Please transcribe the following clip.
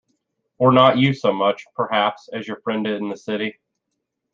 Or not you so much, perhaps, as your friend in the city?